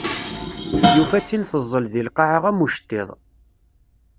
Yufa-tt-in teẓẓel di lqaɛa am uceṭṭiḍ.